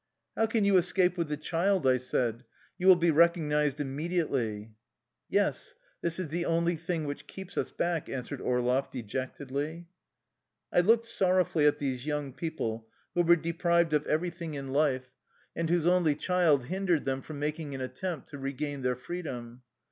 " How can you escape with the child? " I said. " You will be recognized immediately." " Yes, this is the only thing which keeps us back," answered Orloff dejectedly. I looked sorrowfully at these young people who were deprived of everything in life and 116 THE LIFE STOKY OF A EUSSIAN EXILE whose only child hindered them from making an attempt to regain their freedom.